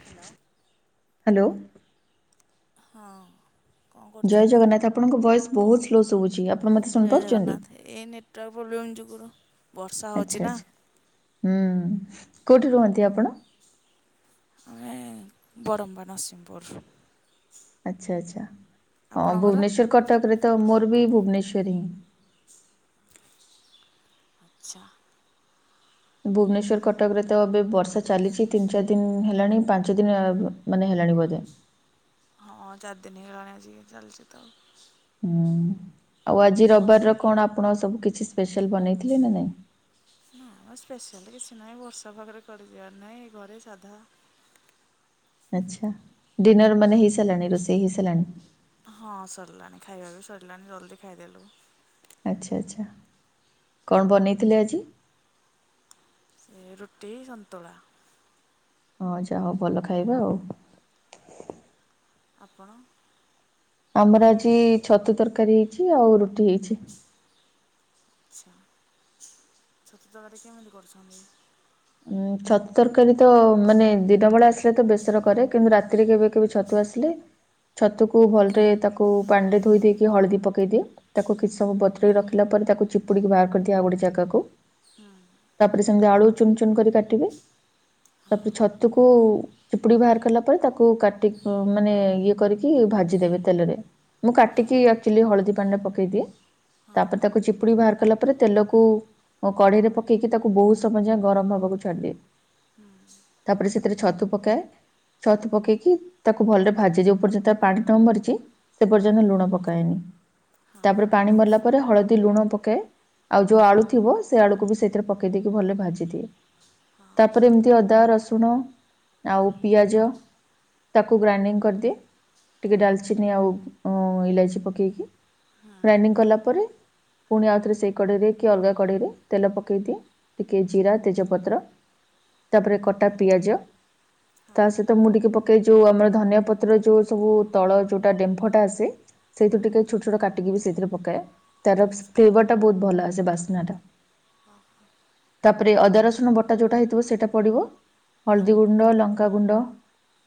Hello. Hello. ହଁ। କଣ ଜୟ କରୁଛନ୍ତି? ଜଗନ୍ନାଥ ଆପଣଙ୍କ ଭଏସ ବହୁତ ସ୍ଲୋ ଶୁଭୁଛି ଆପ ଜୟ ଜଗନ୍ନାଥ ଏଇ ନେଟୱାର୍କ ପ୍ରୋବ୍ଲେମ ଯୁଗୁରୁ ବର୍ଷା ଆଚ୍ଛା ହଉଛି ନା। ଆଚ୍ଛା ହୁଁ କୋଉଠି ରୁହନ୍ତି ଆପଣ? ଆମେ ବରମ୍ବା ନରସିଂପୁର। ଆଚ୍ଛା ଆଚ୍ଛା ହଁ ଆପଣଙ୍କର? ଭୁବନେଶ୍ୱର କଟକରେ ତ ମୋର ବି ଭୁବନେଶ୍ୱର ହିଁ ଆଚ୍ଛା। ଭୁବନେଶ୍ର କଟକରେ ତ ଏବେ ବର୍ଷା ଚାଲିଛି ତିନି ଚାରି ଦିନ ହେଲାଣି ପାଞ୍ଚ ଦିନ ମାନେ ହେଲାଣି ବୋଧେ। ହଁ ଚାରଦିନି ହେଲାଣି ଆସିକି ଚାଲିଚି ତ ଆଉ। ହୁଁ ଆଉ ଆଜି ରବିବାରର କଣ ଆପଣ ସବୁ କିଛି ସ୍ପେଶାଲ ବନେଇଥିଲେ ନା ନାଇଁ? ନାମ ସ୍ପେଶାଲ କିଛି ନାହିଁ ବର୍ଷା ପାଗରେ କୁଆଡେ ଯିବାର ନାହିଁ ଘରେ ସାଧା ଆଛା ଡିିନର ମାନେ ହେଇସାରିଲାଣି ରୋଷେଇ ହେଇସାରିଲାଣି? ହଁ ସରିଲାଣି ଖାଇବା ବି ସରିଲାଣି ଜଲ୍ଦି ଖାଇଦେଲୁ। ଆଚ୍ଛା ଆଚ୍ଛା କଣ ବନେଇଥିଲେ ଆଜି? ସଏ ରୁଟି ସନ୍ତୁଳା। ହଓ ହ ଯାହା ହଉ ଭଲ ଖାଇବା ଆଉ। ଆପଣ? ଆମର ଆଜି ଛତୁ ତରକାରୀ ହେଇଛି ଆଉ ରୁଟି ହେଇଛି। ଆଚ୍ଛା ଛତୁ ତରକାରି କେମିତି କରୁଛନ୍ତି? ଉଁ ଛତୁ ତରକାରୀତ ମାନେ ଦିନ ବେଳେ ଆସିଲେ ତ ବେସର କରେ କିନ୍ତୁ ରାତିରେ କେବେ କେବେ ଛତୁ ଆସି ଆସିଲେ ଛତୁକୁ ଭଲରେ ତାକୁ ପାଣିରେ ଧୋଇ ଦେଇକି ହଳଦୀ ପକେଇ ଦିଏ। ତାକୁ କିଛି ସମୟ ବତୁରେଇକି ରଖିଲା ପରେ ତାକୁ ଚିପୁଡିକି ବାହାର କରିଦିଏ ଆଉ ଗୋଟେ ଜାଗାକୁ। ହୁଁ ତାପରେ ସେମିତି ଆଳୁ ଚୁନ ଚୁନ କରି କାଟିବେ ତାପରେ ଛତୁକୁ ଚିପୁଡିକି ବାହାର କଲା ପରେ ତାକୁ କାଟିି ମାନେ ଇଏ କରିକି ଭାଜିଦେବେ ତେଲରେ। ମୁଁ କାଟିକି ଆକଚୁଆଲି ହଳଦୀ ପାଣିରେ ପକେଇଦିଏ। ତାପରେ ତାକୁ ଚିପୁଡିକି ବାହାର କଲା ପରେ ତେଲକୁ କଡେଇରେ ପକେଇକି ତାକୁ ବହୁତ ସମୟ ଯାଏ ଗରମ ହବାକୁ ଛାଡିଦିଏ ହୁଁ ତାପରେ ସେଥିରେ ଛତୁ ପକାଏ। ଛତୁ ପକେଇକି ତାକୁ ଭଲରେ ଭାଜିଦିଏ ଯୋଉ ପର୍ଯ୍ୟନ୍ତ ତା ପାଣି ନ ମରିଛି। ସେ ହୁଁ ପର୍ଯ୍ୟନ୍ତ ଲୁଣ ପକାଏନି ହଁ ତାପରେ ପାଣି ମରିଲା ପରେ ହଳଦୀ ଲୁଣ ପକାଏ। ଆଉ ଯୋଉ ଆଳୁ ଥିବ ସେ ଆଳୁକୁ ବି ସେଥିରେ ପକେଇ ଦେଇକି ଭଲରେ ଭାଜି ଭାଜିଦିଏ ତାପରେ ଏମିତି ଅଦା ରସୁଣ ଆଉ ପିଆଜ ତାକୁ ଗ୍ରାଇଣ୍ଡିଙ୍ଗ୍ କରିଦିଏ ହଁ ଟିକେ ଡାଲ୍ଚିନି ଆଉ ଇଲାଇଚି ପକେଇକି। ହଁ ଗ୍ରାଇଣ୍ଡିଙ୍ଗ୍ କଲା ପରେ ପୁଣି ଆଉଥରେ ସେଇ କଡେଇରେ କି ଅଲଗା କଡେଇରେ ତେଲ ପକେଇ ଦିଏ ଟିକେ ଜିରା ତେଜପତ୍ର ତାପରେ କଟା ପିଆଜ ହଁ ତା ସହି ମୁ ଟିକେ ପ କେଇଚୁ ଆମର ଧନିଆ ପତ୍ରର ଯୋଉ ସବୁ ତଳ ଯୋଉଟା ଡେମ୍ଫଟା ଆସେ ସେଇଥିୁରୁ ହଁ ଟିକେ ଛୋଟ ଛୋଟ କାଟିକି ବି ସେଇଥିରେ ପକବା ତାର ଆଚ୍ଛା ଫ୍ଲେଭର ଟା ବହୁତ ଭଲ ଆସେ ବାସ୍ନା ଟା। ହଁ। ତାପରେ ଅଦା ରସୁଣ ବଟା ଯୋଉଟା ହେଇଥିବ ସେଇଟା ପଡିବ ହୁଁ ହଳ୍ଦୀ ଗୁଣ୍ଡ ଲଙ୍କାଗୁଣ୍ଡ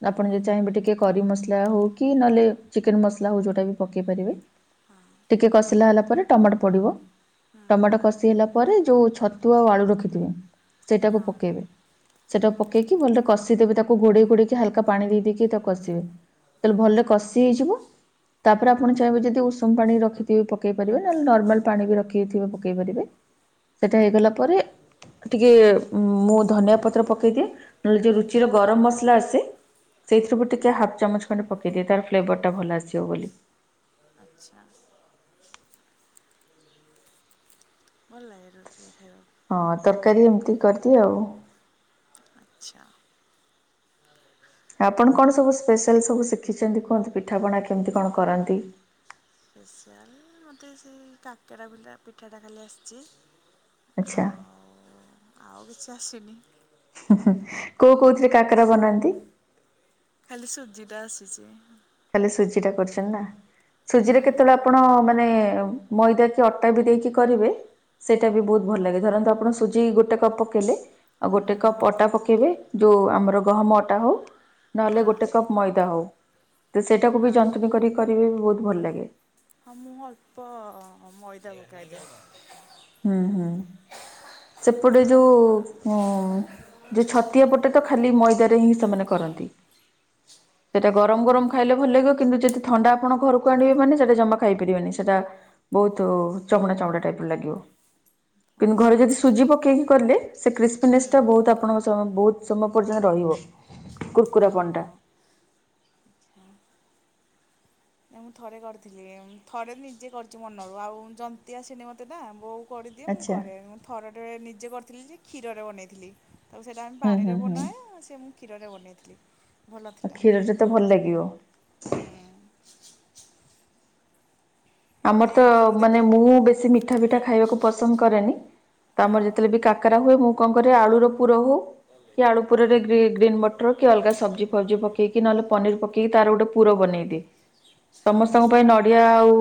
ହୁଁ ଆପଣ ଯଦି ଚାହିଁବେ ଟିକେ କରି ମସଲା ହଉ କି ନହେଲେ ଚିକେନ ମସଲା ହଉ ଯୋଉଟା ବି ପକେଇ ପାରିବେ। ହଁ ଟିକେ କଷିଲା ହେଲା ପରେ ଟମାଟୋ ପଡିବ। ହୁଁ ଟମାଟୋ କଷି ହେଲା ପରେ ଯୋଉ ଛତୁ ଆଉ ଆଳୁ ରଖିଥିବ ସେଇଟାକୁ ହଁ ପକେଇବେ। ସେଟାକୁ ପକେଇକି ଭଲରେ କଷିଦେବେ ତାକୁ ଘୋଡେଇ ଘୋଡେଇକି ହାଲକା ପାଣି ଦେଇ ଦେଇକି ତାକୁ କଷିବେ। ତାହେଲେ ଭଲରେ କଷି ହେଇଯିବ। ତାପରେ ଆପଣ ଚାହିଁବେ ଯଦି ଉଷୁମ୍ ପାଣି ରଖିଥିବେ ପକେଇ ପାରିବେ ନହେଲେ ନର୍ମାଲ ପାଣି ବି ରଖିଥିବେ ପକେଇ ପାରିବେ। ସେଟା ହେଇଗଲା ପରେ ଟିକେ ମୁଁ ଧନିଆ ପତ୍ର ପକେଇଦିଏ ନହେଲେ ଯଉ ରୁଚିର ଗରମ୍ ମସଲା ଆସେ ସେଇଥିରୁ ବି ଟିକେ ହାଫ୍ ଚାମଚ ଖଣ୍ଡେ ପକେଇଦିଏ ତାର ଫ୍ଲେଭରଟା ଭଲ ଆସିବ ବୋଲି। ଆଚ୍ଛା। ଭଲ ଲାଗେ ରୁଟିରେ ଖାଇବାକୁ। ହଁ ତର୍କାରୀ ଏମ୍ତି କରିଦିଏ ଆଉ। ଆଚ୍ଛା। ଆପଣ କଣ ସବୁ ସ୍ପେଶାଲ୍ ସବୁ ଶିଖିଛନ୍ତି କୁହନ୍ତି ପିଠାପଣା କେମିତି କଣ କରନ୍ତି। ପେସିଆଲ୍ ମତେ ସେଇ କାକରା ଭଲା ପିଠାଟା ଖାଲି ଆସିଛି। ଆଚ୍ଛା ଆଉ ଆଉ କିଛି ଆସିନି। ହୁଁ ହୁଁ କୋଉ କୋଉଥିରେ କାକରା ବନାନ୍ତି। ଖାଲି ଶୁଜିଟା ଆସିଚି। ଖାଲି ସୁଜି ଟା କରିଚନ୍ତି ନା ସୁଜିରେ ହଁ କେତଳେ ଆପଣ ମାନେ ମଇଦା କି ଅଟା ବି ଦେଇକି କରିବେ ସେଇଟା ବି ଭୋଉତ୍ ଭଲ ଲାଗେ ଧରନ୍ତୁ ଆପଣ ସୁଜି ଗୋଟେ କପ୍ ପକେଇଲେ। ଆଉ ଗୋଟେ ହୁଁ କପ୍ ଅଟା ପକେଇବେ ଯୋଉ ଆମର ଗହମ ଅଟା ହଉ। ନହେଲେ ହଁ ଗୋଟେ କପ୍ ମଇଦା ହଉ ତ ସେଇଟାକୁ ହଁ ବି ଯନ୍ତୁଣୀ କରି କରିବେ ବି ବହୁତ ଭଲ ଲାଗେ। ହଁ ମୁଁ ଅଳ୍ପ ମଇଦା ପକାଯାଏ। ହୁଁ ହୁଁ ସେପଟେ ଅ- ଯୋଉ ଅଳ୍ପ ପୁରା ଅଳ୍ପ ଉଁ ଯୋଉ ଛତିଆ ପଟେ ତ ଖାଲି ମଇଦାରେ ହିଁ ସେମାନେ କରନ୍ତି ସେଟା ଆଚ୍ଛା ଗରମ ନା ଗରମ ମୁଁ ଖାଇଲେ ଜାଣିନି ଭଲ ଲାଗିବ। କିନ୍ତୁ ଯଦି ଥଣ୍ଡା ଆପଣ ଘରକୁ ଆଣିବେ ମାନ ସେଟା ଜମା ଖାଇ ପାରିବେନି ସେଟା ବୋହୁତ୍ ଚମଡ଼ା ଚମଡ଼ା ଟାଇପ୍ର ଲାଗିବ। କିନ୍ତୁ ଘରେ ଆଚ୍ଛା ଯଦି ସୁଜି ପକେଇକି କର୍ଲେ ସେ ହୁଁ କ୍ରିସ୍ପିନେସ୍ ଟା ବହୁତ ଆପଣଙ୍କ ତ ବୋହୁତ୍ ସମୟ ପର୍ଯ୍ୟନ୍ତ ରହିବ କୁର୍କୁରାପଣଟା। ହଁ ନା ମୁଁ ଥରେ କରିଥିଲି ଥରେ ନିଜେ କରିଚି ମନରୁ ଆଉ ଯନ୍ତିି ଆସିଲି ମତେ ଟା ବୋଉ କରିଦିଏ ମୁଁ ଆଚ୍ଛା କରେ ମୁଁ ଥରଟେ ନିଜେ କରିଥିଲି ଯେ କ୍ଷୀରରେ ବନେଇଥିଲି। ତାକୁ ସେଇଟା ଆମେ ହୁଁ ହୁଁ ପାଣିରେ ହୁଁ ବନାଏ ସେ ମୁଁ କ୍ଷୀରରେ ବନେଇଥିଲି। ଭଲ ଆଉ ଥିଲା କ୍ଷୀର ତେ ଭଲ ଲାଗିବ। ହୁଁ। ଏମିତି ଆମର୍ତ ୟୁଟ୍ୟୁବରୁ ମାନେ ଦେଖିକି ମୁଁ ବେଶୀ ମି ଠା ଫିଠା ଖାଇବାକୁ ପସନ୍ଦ କରେନି ତ ହଁ। ଆମର ଯେତେବେଳେ ବି କାକରା ହୁଏ ମୁଁ କଣ କରେ ଆଳୁର ପୁର ହଉ କି ଆଳୁ ପୁରରେ ଗ୍ରି ଗ୍ରୀନ୍ ମଟର କି ଅଲଗା ସବଜି ଫବଜି ପକେଇକି ନହଲେ ପିନିର ପ କେଇ ତାର ଗୋଟେ ପୁର ବନେଇଦିଏ ହଁ ସମସ୍ତଙ୍କ ପାଇଁ ନଡିଆ ଆଉ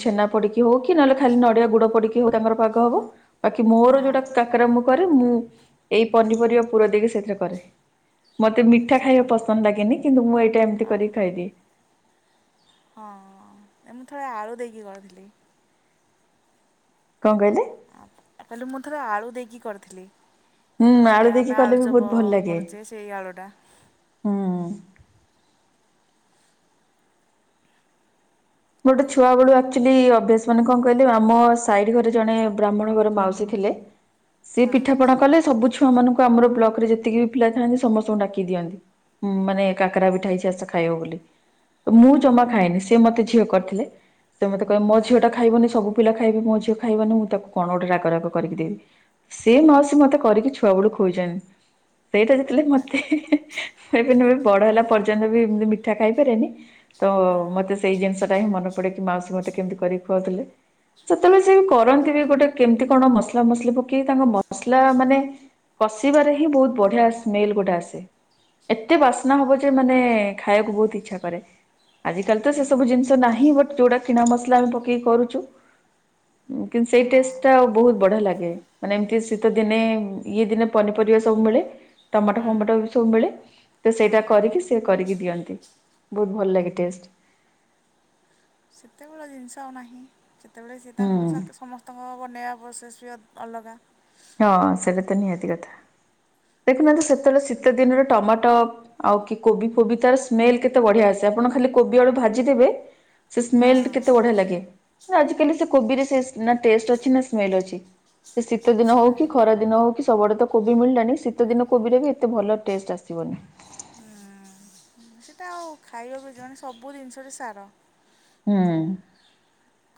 ଛେନା ପଡିକି ହଉ କି ନହେଲେ ଖାଲି ନଡିଆ ଗୁଡ ପଡିକି ହଉ ତାଙ୍କର ପାଗ ହବ ବାକି ମୋର ଯୋଉଟା ହଁ କା କରା ମୁ କରେ ମୁଁ ଏଇ ପନିପରିବା ପୁର ଦେଇ ସେଥିରେ କରେ। ମତେ ମିଠା ଖାଇବା ଚପନ ପସନ୍ଦ ଲାଗେନି କିନ୍ତୁ ମୁଁ ଏଇଟା ଏମିତି କରିକି ଓହୋ ଖାଇଦିଏ। ହଁ ମୁଁ ଥରେ ଆଳୁ ଦେଇକି କରିଥିଲି। କଁ କହିଲେ। କହଲି ମୁଁ ଥରେ ଆଳୁ ଦେଇକି କରିଥିଲି। ହୁଁ ଯୋଉଟା ଦେଇକି ଆମେ କଲେ ଆଳୁ ବି ବହୁତ ଚପ ଭଲ ଲାଗେ କରୁଛେ ସେଇ ଆଳୁ ଟା। ହୁଁ। ବଟ ଛୁଆ ବେଳ ହଁ ଆକ୍ଚୁଆଲି ଅଭ୍ୟାସ ମାନ କଣ କହିଲେ ଆମ ସାହିର ଘରେ ଜଣେ ବ୍ରାହ୍ମଣ ଘର ମାଉସୀ ଥିଲେ। ସେ ପିଠାପଣା କଲେ ସବୁ ଛୁ ଛୁଆ ମାନଙ୍କୁ ଆମର ବ୍ଲକ ରେ ଯେତିକି ବି ପିଲା ଥାନ୍ତି ସମସ୍ତଙ୍କୁ ଡାକି କି ଦିଅନ୍ତି। ମୁଁ ମାନେ କାକରା ପିଠା ହେଇଛି ଆସ ଖାଇବ ବୋଲି ତ ମୁଁ ହୁଁ ଜମା ଖାଇଏନି ସିଏ ମତେ। ଝିଅ କରିଥିଲେ। ସେ ମତେ କହିବେ ମୋ ହଁ ଝିଅ ଟା ଖାଇବନି ସବୁ ପିଲା ଖାଇବେ ମୋ ଝିଅ ଖାଇବନି ମୁଁ ତାକୁ କଣ ଗୋଟେ ରାଗରାଗ କରିକି ଦେବି। ସେ ମାଉସୀ ମୋତେ କରିକି ଛୁଆ ବେଳକୁ ଖୋଇଛନ୍ତି। ସେଇଟା ଯେତେବେଳେ ହଁ ମତେ ଇଭିନ ବଡ ହେଲା ପର୍ଯ୍ୟନ୍ତ ବି ଏମତି ମିଠା ଖାଇପାରେନି। ତ ହୁଁ ମତେ ସେଇ ଜିନିଷ ଟା ହିଁ ମନେ ପଡେ କି ମାଉସୀ ମତେ କେମିତି କରିକି ଖୁଆଥିଲେ। ସେତେବେଳେ ସଏ ବି କରନ୍ତି ବି ଗୋଟେ କେମିତି କଣ ମସଲା ମସଲି ପକେଇକି ତାଙ୍କ ମସଲା ମାନେ। କଷିବାରେ ହିଁ ବହୁତ ବଢିଆ ସ୍ମେଲ ଗୋଟେ ଆସେ। ଏତେ ବାସ୍ନା ହବ ଯେ ମାନେ ଖାଇବାକୁ ବହୁତ ଇଚ୍ଛା କରେ ଆଜିିକାଲି। ସେ ସବୁ ଜିନିଷ ନାହିଁ ବଟ୍ ଯୋଉଟା କିଣା ମସଲା ଆମେ ପକେଇ କରୁଛୁ। କିନ୍ତୁ ସେଇ ଟେଷ୍ଟ ହଁ ଟା ଆଉ ବହୁତ ବଢ଼ିଆ ଲାଗେ। ମାନେ ଏମିତି ଶୀତ ଦିନେ ଇଏ ଦିନେ ପନିପରିବା ସବୁ ମିଳେ ହୁଁ ଟମାଟୋ ଫମାଟୋ ସବୁ ମିଳେ। ତ ସେଇଟା ହଁ କରିକି ସେ କରିକି ଦିଅନ୍ତି ବହୁତ ଭଲ ଲାଗେ ଟେଷ୍ଟ। ସେ ଜିନିଷ ଆଉ ନାହିଁ ଯେତେବେଳେ ସିଏ ହୁଁ ତାଙ୍କ ସମସ୍ତଙ୍କ ବନେଇବା ପ୍ରୋସେସ୍ ବି ଅଲଗା। ହଁ ସେଇଟା ତ ନିହାତି କଥା ଦେଖୁନାହାତି ସେତେବେଳେ ଶୀତ ଦିନରେ ଟମାଟୋ। ଆଉ କି କୋବି ଫୋବି ତାର ସ୍ମେଲ କେତେ ବଢିଆ ଆସେ ଆପଣ ଖାଲି କୋବି ଆଳୁ ଭାଜିଦେବେ। ସେ ହଁ ସ୍ମେଲ କେତେ ବଢିଆ ଲାଗେ। ଆଜିକାଲି ସେ କୋବିରେ ସେ ନା ଟେଷ୍ଟ ଅଛି ନା ସ୍ମେଲ ଅଛି ସେ ଶୀତ ଦିନ କିଛି ହଉ କି ନାହିଁ ଖରା ଦିନ। ଶୀତ ଦିନ ହଉ କିି ସବୁଡଳେ ତ କୋବି ମିଳିଲାଣିି ଶୀତ ଦିନ କୋବିରେ ବି ଏତେ ଭଲ ଟେଷ୍ଟ ଆସିବନି। ହୁଁ ସେଟା ଆଉ। ହଉ ଖାଇବାକୁ ଜଣ ସବୁ ଜିନିଷ ରେ ସାର। ହୁଁ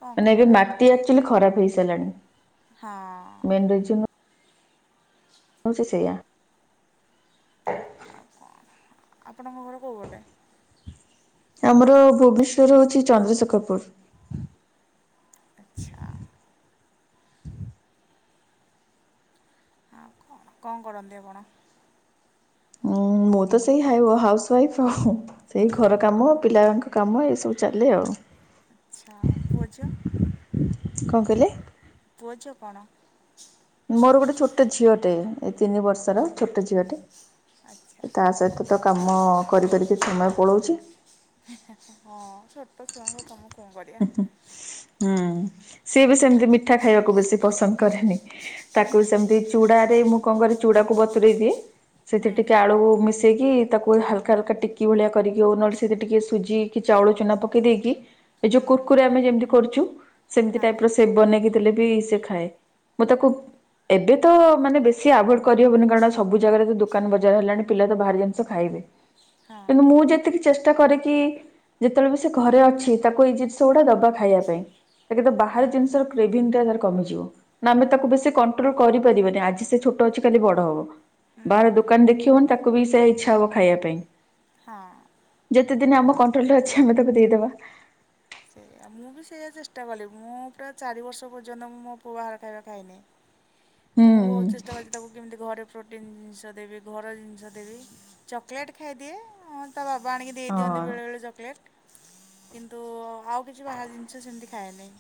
କ'ଣ ଏବେ କରିବା ମାଟି ଆକ୍ଚଆଲି ଖରାପ ହେଇସାରିଲାଣି। ହଁ। ମେନ ରିଜିନ ହଉ ସେ ସେଇଆ। ଆଉ କ'ଣ ଆପଣଙ୍କ ଘର କୋଉ ଗୋଟା। ଆମର ଭୁବନେଶ୍ୱର ହଉଛି ଚନ୍ଦ୍ରଶେଖରପୁର। ଆଚ୍ଛା। ଆଉ କ'ଣ କଣ କରନ୍ତି ଆପଣ? ଉଁ ମୁଁ ତ ସେଇ ହାଇବ ହାଉସ ୱାଇଫ୍ ଆଉ। ଏଇ ଘର କାମ ପିଲାଙ୍କ କାମ ଏଇ ସବୁ ଚାଲେ ଆଉ। ଆଚ୍ଛା ପୁଅ ଝିଅ। କଣ କହିଲେ। ପୁଅ ଝିଅ କଣ? ମୋର ଗୋଟେ ଛୋଟ ଝିଅଟେ ଏ ତିନି ବର୍ଷର ଛୋଟ ଝିଅଟେ ଆଚ୍ଛା ତା ସହିତ ତ କାମ କରିକରି କି ସମୟ ପଳୋଉଛି। ହଁ ଛୋଟ ଛୁଆଙ୍କ କାମ କଁ କରିବା। ହୁଁ ସିଏ ବି ସେମିତି ମିଠା ଖାଇବାକୁ ବେଶୀ ପସନ୍ଦ କରେନି। ତାକୁ ସେମିତି ଚୁଡାରେ ମୁଁ କଣ କରେ ଚୁଡାକୁ ବତୁରଇ ଦିଏ। ସେଠି ହୁଁ ଟିକେ ଆଳୁ ମିଶେଇକି ତାକୁ ହାଲକା ହାଲକା ଟିକି ଭଳିଆ କରିକି ଅନଟ୍ସ ନହେଲେ ଟିକେ ସୁଜି କି ଚାଉଳ ଚୁନା ପକେଇ ଦେଇକି। ଏଇ ହୁଁ ଯୋଉ କୁରକୁରି ଆମେ ଯେମିତି କରୁଛୁ ସେମିତି ହଁ ଟାଇପ ର ସେ ବନେଇକି। ଦେଲେବି ସେ ଖାଏ ମୁଁ ତାକୁ ଏବେ ତ ମାନେ ବେଶୀ ଆଭୋଏଡ କରିହେବନି କାରଣ ସବୁ ଜାଗାରେ ତ ଦୋକାନ ବଜାର ହେଲାଣି ପିଲା ତ ବାହାର ଜିନ୍ଷ ଖାଇବେ। ହଁ ମୁଁ ଯେତିକି ଚେଷ୍ଟା କରେ କିି ଯେତେବେଳେ ବି ସେ ଘରେ ଅଛି ତାକୁ ଏଇ ଜିନ୍ଷ ଗୁଡା ଦବା ଖାଇବା ପାଇଁ କିନ୍ତୁ ହୁଁ ବାହାର ଜିନିଷର କ୍ରେଭିନ୍ ଟା ତାର କମିଯିବ। ଆମେ ତାକୁ ବେଶୀ କଣ୍ଟ୍ରୋଲ କରିପାରିବାନି, ଆଜି ସେ ଛୋଟ ଅଛି ଖାଲି ବଡ ହବ। ହୁଁ ବାହାର ଦୋକାନ୍ ଦେଖିବନି ତାକୁ ବି ସେଇଆ ଇଚ୍ଛା ହବ ଖାଇବା ପାଇଁ। ହାଁ। ଯେତେ ଦିନି ଆମ କଣ୍ଟ୍ରୋଲ୍ ରେ ଅଛି, ଆମେ ତାକୁ ଦେଇଦବା। ସେଇଆ ମୁଁ ବି ସେଇଆା ଚେଷ୍ଟା କଲି ମୁଁ ପୁରା ଚାରି ବର୍ଷ ପର୍ଯ୍ୟନ୍ତ ମୁଁ ମୋ ପୁଅ ବାହାର ଖାଇବା ଖାଇନି। ହୁଁ ମୁଁ ବୋହୁତ୍ ଚେଷ୍ଟା କରିଚି ତାକୁ କେମିତି ଘରେ ପ୍ରୋଟିନ୍ ଜିନିଷ ଦେବି, ଘର ଜିନିଷ ଦେବି ଚକଲେଟ୍ ଖାଇଦିଏ। ତା ବାବା ଆଣିକି ହଁ ଦେଇଦିଅନ୍ତି ବେଳେ ବେଳେ ଚକଲେଟ୍ କିନ୍ତୁ ଆଉ କି କିଛି ବାହାର ଜିନିଷ ସେମିତି ଖାଏ ନେଇ।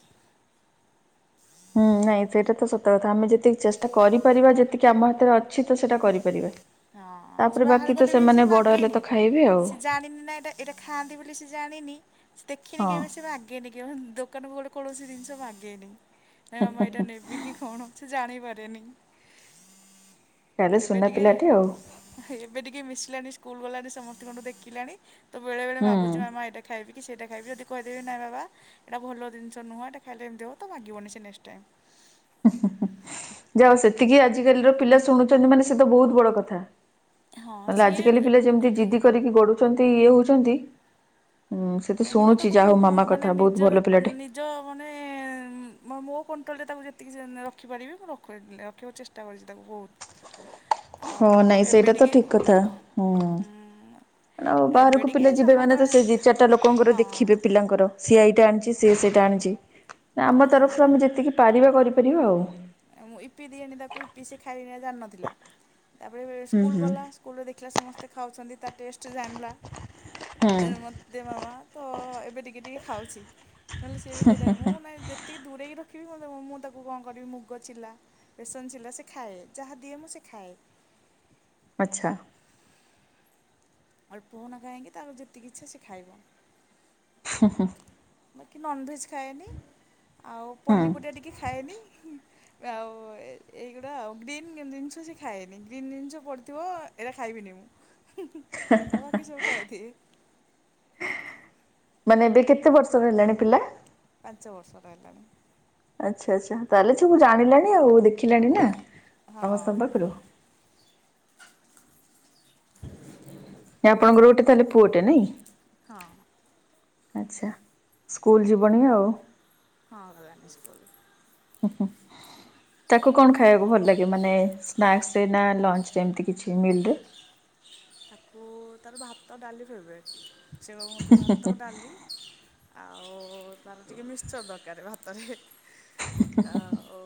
ହୁଁ ନାଇଁ ସେଇଟା ତ ସତ କଥା ଆମେ ଯେତିକି ଚେଷ୍ଟା କରିପାରିବା ଯେତିକି ଆମ ହାତରେ ଅଛି ତ ସେଟା କରିପାରିବା। ହଁ ସେ ତାପରେ ବାକି ବାହାର ତ ଗଲେବି, ସେମାନେ ସିଏ ବଡ ହେଲେ ତ ମାଗେନି। ଖାଇବେ ଆଉ ସେ ଜାଣିନି ନା ଏଟା ଏଇଟା ଖାଆନ୍ତି ବୋଲି ସେ ଜାଣିନି ସେ ଦେଖିନି ହଁ କେବେ ସେ ବା ଟିକେ ଦୋକାନ ପୋ କୈାଣସି ଲାଗେନି ନାଁ ମାମା ଏଇଟା ନେ ବି କି କଣ ସେ ଜାଣି ପାରେ ନି। ତାହେଲେ ଏବେ ସୁନା ଟିକେ ପିଲାଟେ ଆଉ ଏବେ ଟିକେ ମିଶିଲାଣି ସ୍କୁଲ୍ ଗଲାଣି ସମସ୍ତିଙ୍କଠୁ ଦେଖିଲାଣି ତ ବେଳେ ବେଳେ ହୁଁ ମାଗୁଛି ମାମା ଏଟା ଖାଇବି। ସେଇଟା ଖାଇବି ଯଦି କହିଦେବି ନାଇ ବାବା ଏଟା ଭଲ ଜିନ୍ଷ ନୁହଁ, ଏଇଟା ଖାଇଲେ ଏମିତି ହେବ ତ ମାଗିବନି ସେ ନେସ୍ ଟାଇମ୍। ଯାଉ ସେତିକି ଆଜିକାଲିର ପିଲା ଶୁଣୁଛନ୍ତି ମାନେ ସେ ତ ବୋହୁତ୍ ବଡ କଥା। ହଁ ନହେଲେ ଆଜିକାଲି ସିଏ ପିଲା ଯେମିତି ଜିଦି କରିକି ଗଡୁଚନ୍ତି ଇଏ ହୋଉଚନ୍ତି। ହୁଁ ସେ ତ ନାଇଁ ମୁଁ ଶୁଣୁଛିି ଯାହା ହଉ ମାମା କଥା ବୋହୁତ୍ ଭଲ ପିଲାଟେ। ହଁ ମା‌ନେ ମୋ କନ୍ଟ୍ରୋଲ୍ ରେ ମୁ ଯେତିକି ଚାହିଁଲେ କରିପାରିବି ମୁଁ ରଖୁ କି ଆକୁ ଚେଷ୍ଟା କରୁଚି ତାକୁ ବୋହୁଙ୍କ। ହଁ ନାଇଁ ସେଇଟା ତ ଠିକ୍ କଥା, ହୁଁ। ହୁଁ, ଆଉ ଏବେ ବାହାରକୁ ଟିକେ ପିଲେ ଯିବେ ସମସ୍ତ ମାନେ ତ ସେଇ ଦି ଚା ତ ଲୋକଙ୍କର ଦେଖିବେ ହଁ ପିଲାଙ୍କର ସିଏ ଏଇଟା ଆଣିଚି, ସିଏ ସେଇଟା ଆଣିଚି, ଆମ ସିଏ ତରଫରୁ ଆମେ ଯେତିକି ପାରିବା କରିପାରିବା ଆଉ। ମୁଁ ଇପି ଦିଏନି ତାକୁ ଇପି ସେ ଖାଇ ଜାଣିନଥିଲା, ତାପରେ ହୁଁ ସ୍କୁଲ ହୁଁ। ଗଲା। ସ୍କୁଲରେ ଦେଖିଲା ସମସ୍ତେ ଖାଉଛନ୍ତି ତା ଟେଷ୍ଟ୍ ଜାଣିଲା। ହୁଁ ଦେ ମାମା ତ ଏବେ ଟିକେ ଟିକେ ଖାଉଛି, ନହେଲେ ସିଏ ବି ସେଇଟା ମୁଁ ନାଇଁ ତେ ଦୂରେଇ ରଖିବି ମତେ ମୁଁ ତାକୁ କଁ କରିବି ମୁଁ ଚିଲା ବେସନ୍ ଚିଲା ସେ ଖାଏ ଯାହା ଦିଏ ମୁଁ ସେ ଖାଏ। ଆଚ୍ଛା। ଅଳ୍ପ ହୋଉନା କାାଇଁକି ତାର ଯେତିକି ଇଚ୍ଛା ସେ ଖାଇବ। ହୁଁ ହୁଁ। ବାକି ନନ୍ ଭେଜ୍ଜ୍ ଖାଏନି ଆଉ ହୁଁ ପନିପରିବା ଟିକେ ଖାଏନି। ଆଉ ଏଇଗୁଡା ଆଉ ଗ୍ରୀନ୍ ଜିନ୍ଷ ସେ ଖାଏନି ଗ୍ରୀନ୍ ଜିନିଷ ପଡ଼ିଥିବ। ଏରା ଖାଇବିନି ମୁଁ ଆଉ ବାକି ସବୁ ଖାଇ ଦିଏ। ମାନେ ଏବେ କେତେ ବର୍ଷର ହେଲାଣି ପିଲା? ପାଞ୍ଚ ବର୍ଷର ହେଲାଣି। ଆଚ୍ଛା, ଆଚ୍ଛା, ତାହେଲେ ସବୁ ଜାଣିଲାଣି ଆଉ ଦେଖିଲାଣି ନା ହଁ ସମସ୍ତଙ୍କ ପାଖରୁ। ନା ଆପଣଙ୍କର ଗୋଟେ ତାହେଲେ ପୁଅଟେ ନାଇଁ? ହଁ। ଆଚ୍ଛା, ସ୍କୁଲ୍ ଯିବଣି ଆଉ। ହଁ ଗଲାଣି ସ୍କୁଲୁ। ହୁଁ ହୁଁ ତାକୁ କଣ ଖାଇବାକୁ ଭଲ୍ ଲାଗେ ମାନେ ସ୍ନାକ୍ସ ତେ ନା ଲଞ୍ଚ୍ ଯେମିତି କିଛି ମିଲ୍ ରେ? ତାକୁ ତାର ଭାତ ଡାଲି ଫେବରେଟ୍ ସେଇ ଭାତ ଡାଲି ଆଉ ତାର ଟିକେ ମିସ୍ସର ଦରକାର ଭାତରେ। ଆଉ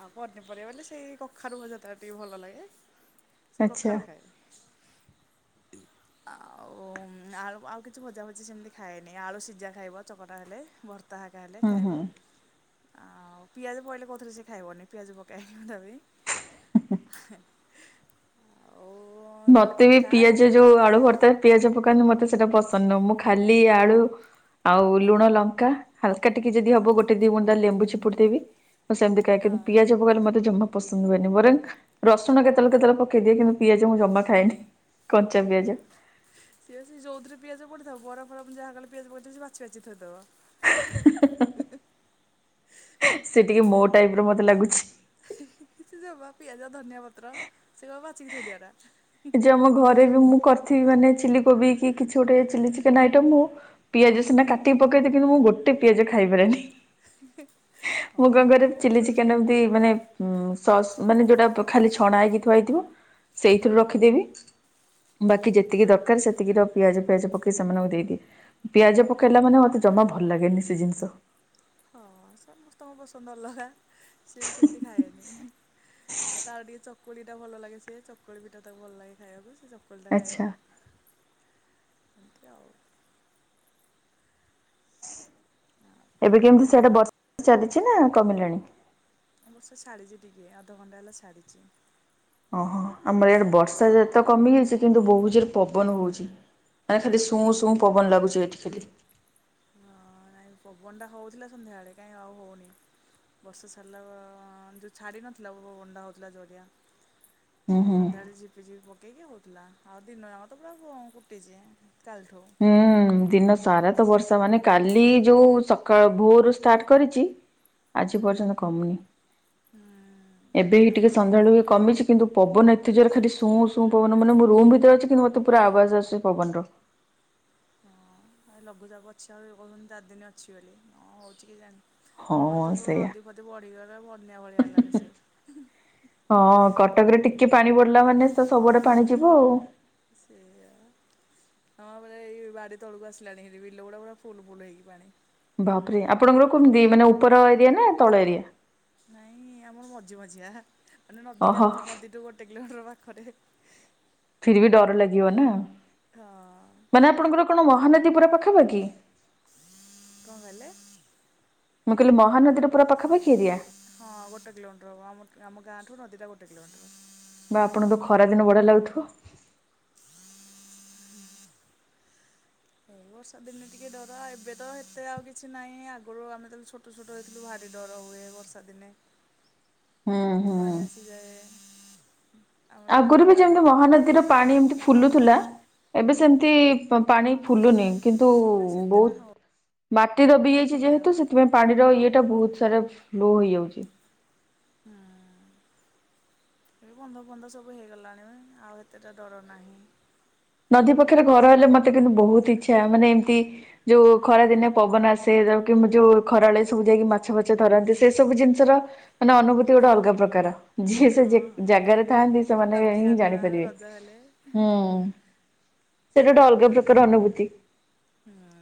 ଆଉ ପନିପରିବା ବଲେ ସେଇ କଖାରୁ ଭଜା ତାର ଟିକେ ଭଲ ଲାଗେ ସେ ଆଚ୍ଛା କଖାରୁ ଖାଏ। [unintelligible] ଆଉ ଉଁ ଆଳୁ ଆଉ କିଛି ଭଜା ଭଜି ସେମିତି ଖାଏନି ଆଳୁ ସିଝା ଖାଇବ ଚକଟା ହେଲେ ଭର୍ ତା ହାକା ହେଲେ ହୁଁ ହୁଁ। ଖାଇବ ଆଉ ପିଆଜ ପଇଲେ କୋଉଥିରେ ସେ ଖାଇବନି ପିଆଜ ପକାଏନି ତା [unintelligible] ଆଉ ନହେଲେ ମତେ ବି ପିଠା ପିଆଜ ରୁଟି ଯଉ ଆଳୁ ଭର୍ତା ପିଆଜ ପକାନ୍ତି ମତେ ସେଟା ପସନ୍ଦ ନୁହ ମୁଁ ଖାଲି ଆଳୁ ଆଉ ଲୁଣ ଲଙ୍କା ହାଲକା ଟିକେ ଯଦି ହବ ଗୋଟେ ଦି ବୁନ୍ଦା ଲେମ୍ବୁ ଚିପୁଡ଼ି ଦେବି ତ ସେମତି କାଏ କିନ୍ ହଁ ପିଆଜ ପକାଇଲେ ମତେ ଜମା ପସନ୍ଦ ହୁଏନି ବରଂ ରସୁଣ କେତେଳେ କେତେଳେ ପକେଇ ଦିଏ କିନ୍ତୁ ପିଆଜ ଜ ମୁଁ ଜମା ଖାଏ ସିଏବି ସେ ଯଉଥିରେ ପିଆଜ ପଡ଼ିଥାଉ ବରା ଫରା ମୁଁ ଯାହା କଲେ ପିଆଜ ପଡ଼ିଥିବ ସେ ବାଛି ବାଛି ଥୋଇଦବ। ହ ହ ସେ ଟିକେ ମୋ ଟାଇପ୍ ର ମତେ ଲାଗୁଛି କିଛି ସେ ବା ପିଆଜ ଧନିଆ ପତ୍ର ସେ ପା ବାଛିକି ଥୋଇ ଦିଆରା। ଏ ଯେଉ ଆମ ଘରେ ବି ମୁଁ କରିଥିବି ମାନେ ଚିଲ କୋବି କି କିଛି ଗୋଟେ ଚିଲି ଚିକେନ୍ ଆଇଟମ୍ ହଉ ପିଆଜ ସିନା ହଁ କାଟିକି ପକାଇଦିଏ କିନ୍ତୁ ମୁ ଗୋଟେ ପିଆଜ ଖାଇପାରେନି। ହଁ ମୁଁ କଣ କାହା କରେ କାହାକୁ ଚିଲି ପସନ୍ଦ ଚିକେନ୍ ଟା ନୁହଁ। ଏମତି ମାନେ ହୁଁ, ସସ୍ ମାନେ ଯୋଉଟା ପ ଖାଲି ଛଣା ହେଇକି ଥୁଆ ହେଇଥିବ ସେଇଥିରୁ ହୁଁ ରଖିଦେବି। ବାକି ଯେତିକି ହଁ ଦରକାର ସେତିକି ର ପିଆଜ ଫିଆଜ ପକେଇ ସେମାନଙ୍କୁ ଦେଇଦିଏ। ପିଆଜ ପକେଇଲା ମାନେ ମତେ ଜମା ଭଲ ଲାଗେନି ସେ ଜିନିଷ। ହଁ, ସମସ୍ତଙ୍କ ପସନ୍ଦ ଅଲଗା। ସିଏବି ସେମତି ଖାଏନି ଆଉ ତାର ଟିକେ ଚକ କୁଳିଟା ଭଲ ଲାଗେ ସେ ଚକୁଳି ପିଠା ତାକୁ ଭଲ ଲାଗେ ଖାଇବାକୁ ସେ ଚକୁଳିଟା ଖାଇବ। ଆଚ୍ଛା ଏମିତି ଆଉ ଆଉ ଏବେ କଣ କେମିତି ସିଆଡେ ବର୍ଷା ଚାଲିଛି ନା କମିଲାଣି? ବର୍ଷା ଛାଡ଼ିଛି ଟିକେ ଆଧଘଣ୍ଟା ହେଲା ସାଡ଼ିଛି। ଓହୋ, ଆମର ଇଆଡେ ବର୍ଷା ଯେତ କମି ଯାଇଛି କିନ୍ତୁ ବହୁତ ଜୋରରେ ପବନ ହଉଛି। ନେ ଖାଲି ଶୁଁ ସୁୁଁ ପବନ ଲାଗୁଛି ଏଇଠି ଖାଲି। ହଁ ନାଇଁ ପବନଟା ହଉଥିଲା ସନ୍ଧ୍ୟାବେଳେ କାଇଁ ଆଉ ହଉନି। ବର୍ଷ ସାଡିଲା ବ ଯଉ ଛାଡ଼ି ନଥିଲା ଅ ଅ ବନଟା ହେଉଥିଲା ଯୋରିଆ। ହୁଁ ହୁଁ। ସନ୍ଧ୍ୟାବେଳେ ଝିପିଝିପି ପକେଇକି ହଉଥିଲା ଆଉ ଦିନ ଜାକ ତ ପୁରା କୁଁ କୁଟିଛି କାଲଠୁ। ହୁଁ ଦିନ ସାରା ତ ବର୍ଷା ମାନେ କାଲି ଯୋଉ ସକାଳ ଭୋରୁୁ ଷ୍ଟାର୍ଟ କରିଛି। ଆଜି ପର୍ଯ୍ୟନ୍ତ କମୁନି। ହୁଁ। ଏବେ ହି ଟିକେ ସନ୍ଧ୍ୟାଳୁ କମିଛି କିନ୍ତୁ ପବନ ଏତେ ଜୋରେ ଖାଲି ଶୁଁ ଶୁଁ ପବନ ମାନେ ମୁଁ ରୁମ ଭିତରେ ଅଛି କିନ୍ତୁ ମତେ ପୁରା ଆବାଜ ଆସଛି ପବନର। ଆ ଲଘୁଚାପୁ ଅଛି ଆଉରି କହୁଛନ୍ତି ଚାରି ଦିନ ଅଛି ବୋଲି ଅ ହଉଛି କି ଜାଣି। ହଁ ଆମର ତ ସବୁ ସେଇଆ। ନଦୀ ଫଦୀ ବଢିଗଲା ବନ୍ୟା ଭଳିଆଲାଣି ସେ। ହଁ କଟକରେ ଟିକେ ପାଣି ବଡିଲା ମାନେ ତ ସବୁଆଡେ ପାଣି ଯିବ ଆଉ। ସେୟା। ହଁ ପରା ଏଇ ବାଡି ତଳକୁ ଆସିଲାଣି ଏ ବିଲଗୁଡା ପୁରା ଫୁଲ ଫୁଲ ହେଇକି ପାଣି। ବାପ୍ ରେ ଆପଣଙ୍କର କମିତି ମାନେ ଉପର ଏରିଆ ନା ତଳ ଏରିଆ? ନାଇଁ ଆମର ମଝି ମଝିଆ ମାନେ ନଦୀ ଓହୋ କାନ୍ଥ ନଦୀଠୁ ଗୋଟେ କିଲୋମିଟର ପାଖରେ। ଫିର ବି ଡର ଲାଗିବ ନା କ'ଣ ମାନେ ଆପଣଙ୍କର କଣ ମହାନଦୀ ପୁରା ପାଖା ପାଖି? କଣ କଲେ? ମୁଁ କହିଲି ମହାନଦୀର ପୁରା ପାଖପାଖି ଏରିଆ। ହଁ ଗୋଟେ କିଲୋମିଟର ହବ ଆମ ଆମ ଗାଁଠୁ ନଦୀଟା ଗୋଟେ କିଲୋମିଟର। ବା ଆପଣଙ୍କ ଖରାଦିନ ବଢିଆ ଲାଗୁଥିବ। ବର୍ଷା ଦିନେ ଟିକେ ଡର ଏବେ ତ ଏତେ ଆଉ କିଛି ନାହିଁ ଆଗରୁ ଆମେ ତ ଛୋଟ ଛୋଟ ରହିଥିଲୁ ଭାରି ଡର ହୁଏ ବର୍ଷା ଦିନେ। ହୁଁ ଏବେ ହୁଁ ପାଣି ଆସି ଯାଏ। ଆଗରୁ ବି ଯେମିତି ମହାନଦୀର ପାଣି ଏମିତି ଫୁଲୁଥିଲା ଏବେ ସେମିତି ପାଣି ଫୁଲୁନି। କିନ୍ତୁ ନା ସେତେଟା ବହୁତ ମାଟି ଦବି ଯାଇଛି ହଉନି ଆଉ। ଯେହେତୁ ସେଥିପାଇଁ। ପାଣିର ଇଏ ଟା ବହୁତ ସାରା ଫ୍ଲୋ ହେଇଯାଉଛି। ହୁଁ। ଏ ବନ୍ଧ ଫନ୍ଧ ସବୁ ହେଇଗଲାଣି ଆଉ ଏତେଟା ଡର ନାହିଁ। ନଦୀ ପାଖରେ ଘର ହେଲେ ମତେ କିନ୍ତୁ ବହୁତ ଇଚ୍ଛା ମାନେ ଏମିତି ଯୋଉ ଖରା ଦିନେ ପବନ ଆସେ ଯ କି ଯୋଉ ଖରାବେଳେ ସବୁ ଯାଇକି ମାଛ ଫାଛ ଧରନ୍ତି ସେ ସବୁ ଜିନିଷର ମାନେ ଅନୁଭୂତି ଗୋଟେ ଅଲଗା ପ୍ରକାର। ଯିଏ ସେ ହଁ ହଁ ଜାଗାରେ ଥାଆନ୍ତି ଏଠି ସେମାନେ ନଦୀ ହିଁ ଗାଧୁଆ ଜାଣିପାରିବେ ରଜ ହେଲେ ହୁଁ। ସେଇଟା ଗୋଟେ ଅଲଗା ପ୍ରକାର ଅନୁଭୂତି। ହଁ ହଁ।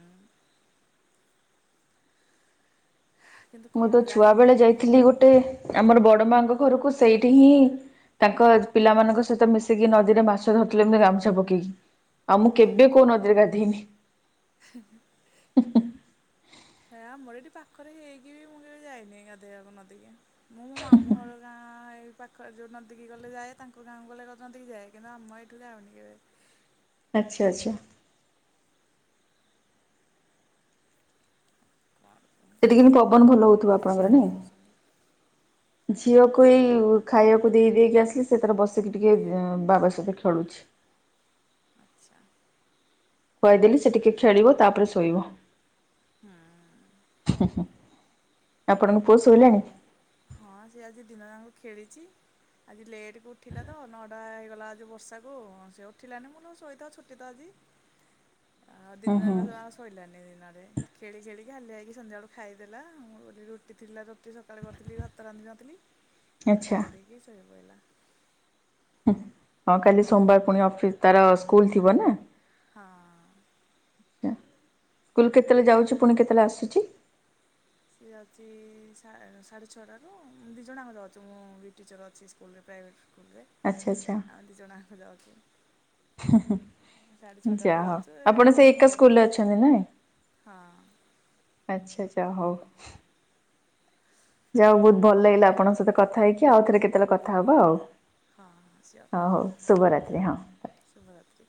କିନ୍ତୁ ମୁଁ କଣ ତ ଯାଇ ଛୁଆ ବେଳେ ହଉନି ଯାଇଥିଲି ଗୋଟେ ଆମର ବଡ ମାଙ୍କ ଘରକୁ ସେଇଠି ହିଁ ତାଙ୍କ ପିଲାମାନଙ୍କ ସହିତ ମିଶିକି ନଦୀରେ ମାଛ ଧରିଥିଲେ ଏମିତି ଗାମୁଛା ପକେଇକି। ଆଉ ମୁଁ କେବେ କୋଉ ନଦୀରେ ଗାଧୋଇନି। ହେଁ ହେଁ। ହେ ଆମର ଏଠି ପାଖରେ ହେଇକି ବି ମୁଁ କେବେ ଯାଇନି ଗାଧୋଇବାକୁ ନଦୀକି। ମୁଁ ମୋ ମାମୁଁ ଘର ଗାଁ ଏଇ ପାଖ ଖ ଯଉ ନଦୀକି ଗଲେ ଯାଏ ତାଙ୍କୁ ଗାଁ ଗଲେ ନଦୀକି ଯାଏ କିନ୍ତୁ ଆମ ଏଇଠୁ ଯାଉନି କେବେ। ଆଚ୍ଛା ଆଚ୍ଛା। [inaudible] ସେଠିକି କିନ୍ତୁ ପବନ ଭଲ ହଉଥିବ ଝିଅ ଆପଣଙ୍କର କଣ ନାଇ? କରୁଛନ୍ତି? ଝିଅକୁ ଏଇ ଖାଇବାକୁ ଦେଇ ଦେଇକି ଆସିଲି ସେ ତାର ବସିକି ଟିକେ ବାବା ସହିତ ଖେଳୁଚି। ଆଚ୍ଛା କହିଦେଲି ସେ ଟିକେ ଖେଳିବ ତାପରେ ଶୋଇବ। ହଁ। ହୁଁ ହୁଁ ଆପଣଙ୍କ ପୁଅ ଶୋଇଲାଣି? ହଁ ସେ ଆଜି ଦିନ ଯାଙ୍କ ଖେଳିଚି। ଆଜି ଲେଟେକୁ ଉଠିଲା ତ ନଅଟା ହେଇଗଲା ଆଜି ବର୍ଷାକୁ ସେ ଉଠିଲାନି ମୁଁ ନହୋଉ ଶୋଇଥା ଛୁଟି ତ ଆଜି। [inaudible] ଆଉ ହୁଁ ହୁଁ ଦିନଯାଙ୍କ ଯାଉ ଶୋଇଲାନି ଦିନରେ ଖେଳି ଖେଳିକି ହାଲିଆହେଇକି ସନ୍ଧ୍ୟାବେଳୁ ଖାଇଦେଲା ମୁଁ ରୁଟି ଥିଲା ରୁଟି ସକାଳେ କରିଥିଲି ଭାତ ରାନ୍ଧିନଥିଲି ଆଚ୍ଛା। ଖାଇ ଦେଇକି ଶୋଇ ପଇଲା। ହଁ କାଲି ସୋମବାର ପୁଣି ଅଫିସ୍ ତାର ସ୍କୁଲ ଥିବ ନା? ହଁ। ଚ୍ଛା ସ୍କୁଲ କେତେବେଳେ ଯାଉଛି ପୁଣି କେତେବେଳେ ଆସୁଛି? ସିଏ ଯାଉଚି ସା ସାଢ଼େ ଛଅଟାରୁ ଦୁଇ ଜଣଯାକ ଯାଉଛୁ ମୁଁ ବି ଟିଚର୍ ଅଛି ସ୍କୁଲରେ ପ୍ରାଇଭେଟ୍ ସ୍କୁଲରେ ଆଚ୍ଛା ଆଚ୍ଛା। ଆମେ ଦିଜଣଜାକ ଯାଉଛୁ। ହୁଁ ହୁଁ। ସାଢ଼େ ଛଅଟାରୁ ଯାହଉ ଯାଉଛୁ ଆପଣ ସେଇ ଏକା ବାରଟା ସ୍କୁଲରେ ଅଛନ୍ତି ନାଇଁ? ହଁ ହଉ ଆଚ୍ଛା ଆଚ୍ଛା ହଉ। ଯାହଉ ବହୁତ ହଁ ଭଲ ଲାଗିଲା ଆପଣଙ୍କ ସହିତ କଥା ହେଇକି ଆଉ ଥରେ କେତେବେଳେ କଥା ହବା ଆଉ। ହଁ ସିଓର। ହଁ ହଉ ଶୁଭ ରାତ୍ରୀ ହଁ। ଶୁଭରାତ୍ରି।